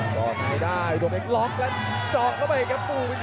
รอดในได้ดวงเล็กล็อกแล้วเจาะเข้าไปครับ